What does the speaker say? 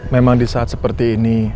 memang di saat seperti ini